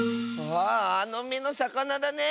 ああの「め」のさかなだね！